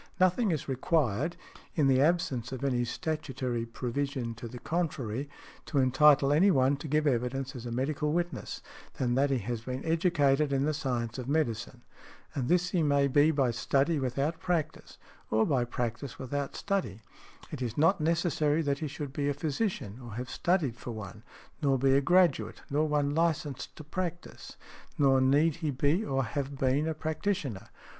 Nothing is required (in the absence of any statutory provision to the contrary) to entitle any one to give evidence as a medical witness, than that he has been educated in the science of medicine; and this he may be by study without practice, or by practice without study; it is not necessary that he should be a physician, or have studied for one, nor be a graduate, nor one licensed to practise, nor need he be or have been a practitioner .